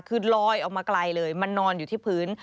คือลอยออกมาไกลเลยมันนอนอยู่ที่พื้น